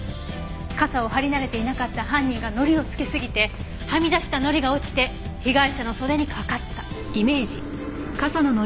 傘を張り慣れていなかった犯人が糊をつけすぎてはみ出した糊が落ちて被害者の袖にかかった。